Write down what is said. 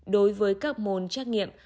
đối với các môn trách nghiệm